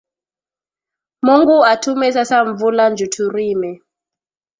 Mungu atume sasa mvula nju turime